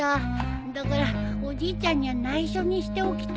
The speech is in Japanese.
だからおじいちゃんには内緒にしておきたくて。